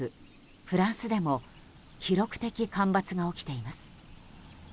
フランスでも記録的干ばつが起きています。